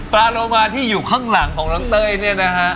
ปลาโลมาที่อยู่ข้างหลังของน้องเต้ยเนี่ยนะฮะ